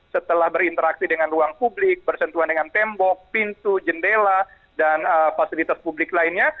setelah berinteraksi dengan ruang publik bersentuhan dengan tembok pintu jendela dan fasilitas publik lainnya